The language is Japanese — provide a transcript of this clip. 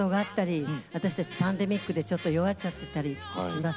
パンデミックでちょっと弱っちゃってたりします